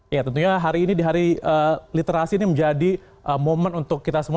ya tentunya hari ini di hari literasi ini menjadi momen untuk kita semua